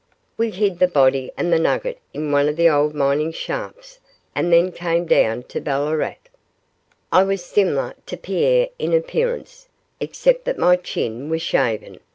We hid the body and the nugget in one of the old mining shafts and then came down to Ballarat. I was similar to Pierre in appearance, except that my chin was shaven.